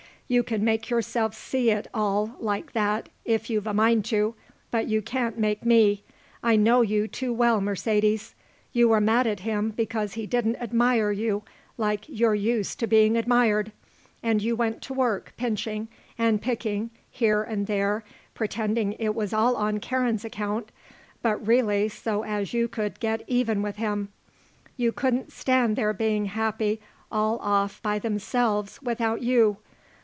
"You can make yourself see it all like that if you've a mind to, but you can't make me; I know you too well, Mercedes. You were mad at him because he didn't admire you like you're used to being admired, and you went to work pinching and picking here and there, pretending it was all on Karen's account, but really so as you could get even with him. You couldn't stand their being happy all off by themselves without you.